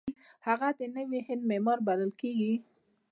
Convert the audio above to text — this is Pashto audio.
هغه د نوي هند معمار بلل کیږي.